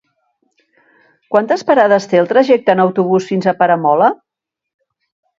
Quantes parades té el trajecte en autobús fins a Peramola?